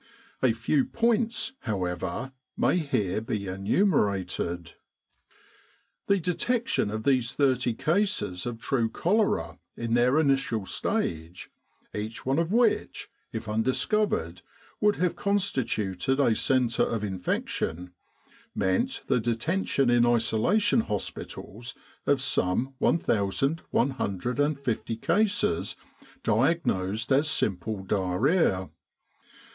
A few points, however, may here be enumerated. The detection of these thirty cases of true cholera in their initial stage each one of which, if undis covered, would have constituted a centre of infection meant the detention in isolation hospitals of some 1,150 cases diagnosed as simple diarrhoea.